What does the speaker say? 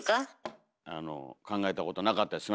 あの考えたことなかったです